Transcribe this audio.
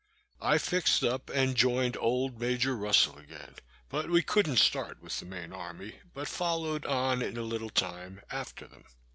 I fixed up, and joined old Major Russel again; but we couldn't start with the main army, but followed on, in a little time, after them.